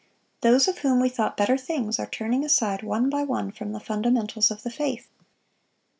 Those of whom we thought better things are turning aside one by one from the fundamentals of the faith.